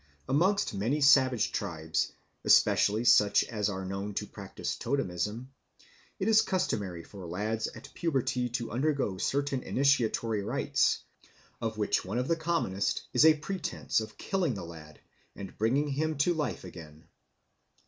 Amongst many savage tribes, especially such as are known to practice totemism, it is customary for lads at puberty to undergo certain initiatory rites, of which one of the commonest is a pretence of killing the lad and bringing him to life again.